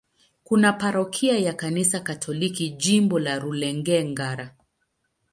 Kuna parokia ya Kanisa Katoliki, Jimbo la Rulenge-Ngara.